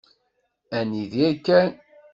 Ad nidir kan.